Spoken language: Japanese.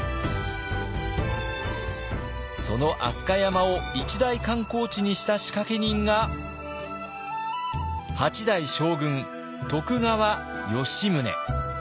その飛鳥山を一大観光地にした仕掛け人が８代将軍徳川吉宗。